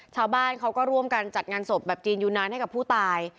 ชาวบ้านเขาก็ร่วมกันจัดงานศพแบบจีนยูนานให้กับผู้ตาย